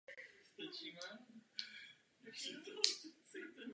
Nic takového jako záruční fond neexistuje.